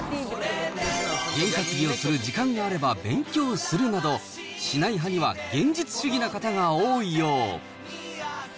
験担ぎをする時間があれば勉強するなど、しない派には、現実主義な方が多いよう。